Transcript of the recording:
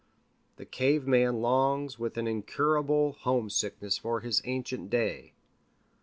The cave man longs with an incurable homesickness for his ancient day.